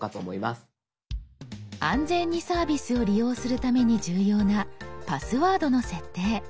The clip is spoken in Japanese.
安全にサービスを利用するために重要なパスワードの設定。